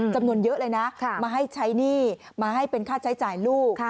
จำนวนเยอะเลยนะมาให้ใช้หนี้มาให้เป็นค่าใช้จ่ายลูก